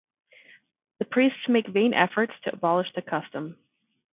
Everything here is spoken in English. The priests make vain efforts to abolish the custom.